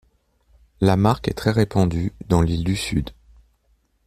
La marque est très répandue dans l'Île du Sud.